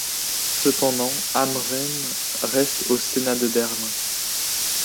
Cependant, Amrehn reste au Sénat de Berlin.